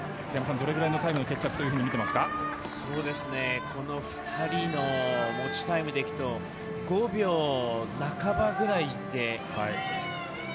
どれぐらいのタイムの決着とこの２人の持ちタイムでいくと５秒半ばぐらいで。